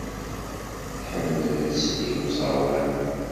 Tḥemmel ad tsel i uẓawan.